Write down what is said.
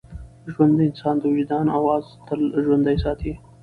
ژوند د انسان د وجدان اواز تل ژوندی ساتي.